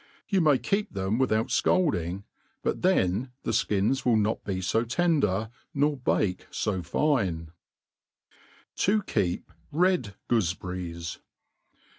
You may keep them without fcalding^ but then the (kins will not be (b tender, nor bake fo fine* To hep lied' Goofeberries.